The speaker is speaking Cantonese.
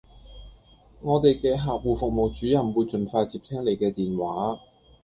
我地既客戶服務主任會盡快接聽你既電話